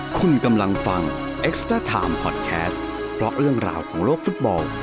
คุณกำลังฟังเอ็กซ์เตอร์ไทม์พอดแคสต์เพราะเรื่องราวของโลกฟุตบอล